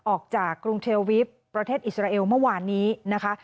ออกจากกรุงเทลวิปประเทศอิสราเอลเมื่อวานนี้นะคะ